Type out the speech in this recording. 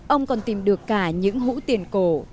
ông còn tìm được cả những hũ tiền cổ